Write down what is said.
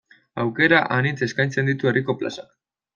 Aukera anitz eskaintzen ditu herriko plazak.